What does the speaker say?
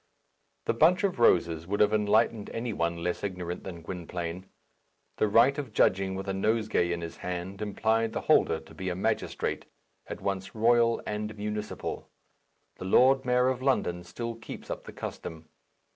The bunch of roses would have enlightened any one less ignorant that Gwynplaine. The right of judging with a nosegay in his hand implied the holder to be a magistrate, at once royal and municipal. The Lord Mayor of London still keeps up the custom.